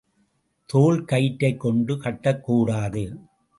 தோல்கயிற்றைக் கொண்டு கட்டக்கூடாது.